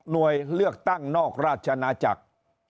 โดยเลือกตั้งนอกราชนาจักร